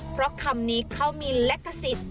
เพราะคำนี้เขามีลักษิต